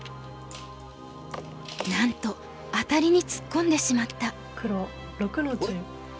なんとアタリに突っ込んでしまった！